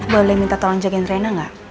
boleh minta tolong jagain rena nggak